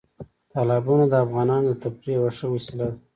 تالابونه د افغانانو د تفریح یوه ښه وسیله ده.